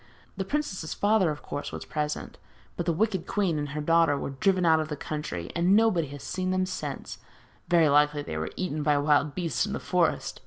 The princess's father, of course, was present, but the wicked queen and her daughter were driven out of the country, and as nobody has seen them since, very likely they were eaten by wild beasts in the forest.